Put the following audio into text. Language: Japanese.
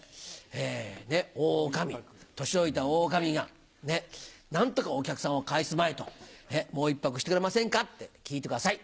大女将年老いた大女将が何とかお客さんを帰すまいと「もう１泊してくれませんか」って聞いてください。